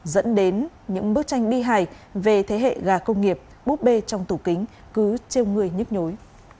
dẫn đến những bức tranh bi hài về thế hệ gà công nghiệp búp bê trong tủ kính cứ treo người nhức nhối